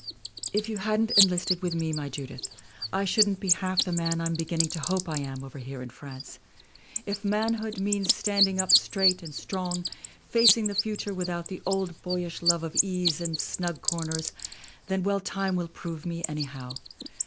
' 'If you hadn't enlisted with me, my Judith, I shouldn't be half the man I'm beginning to hope I am, over here in France. If manhood means standing up straight and strong, facing the future without the old boyish love of ease and snug corners then well time will prove me, anyhow.